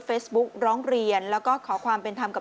เพจบุคร้องเรียนแล้วก็ขอความเป็นทำกับ